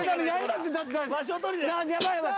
やばいやばい。